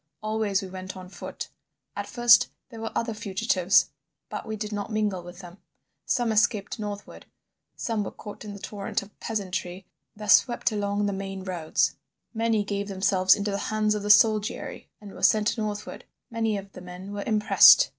Always we went on foot. At first there were other fugitives, but we did not mingle with them. Some escaped northward, some were caught in the torrent of peasantry that swept along the main roads; many gave themselves into the hands of the soldiery and were sent northward. Many of the men were impressed.